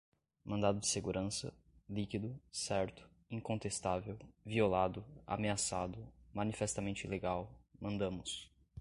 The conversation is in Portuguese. mandado de segurança, líquido, certo, incontestável, violado, ameaçado, manifestamente ilegal, mandamus